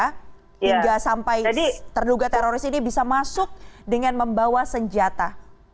hingga sampai terduga teroris ini bisa masuk dengan membawa senjata